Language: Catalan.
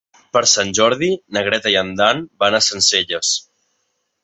Per Sant Jordi na Greta i en Dan van a Sencelles.